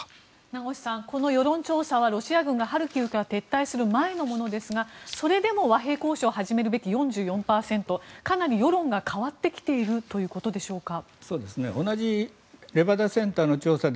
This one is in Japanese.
名越さん、この世論調査はロシア軍がハルキウから撤退する前のものですがそれでも和平交渉を開始すべきが４４％、かなり世論が変わってきているということでしょうか。